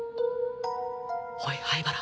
おい灰原